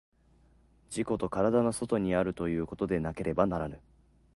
自己の身体の外にあるということでなければならぬ。